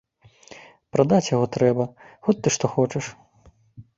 Прадаць яго трэба, хоць ты што хочаш.